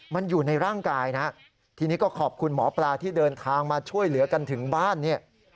มันอยู่ในร่างกายนะทีนี้ก็ขอบคุณหมอปลาที่เดินทางมาช่วยเหลือกันถึงบ้านเนี่ย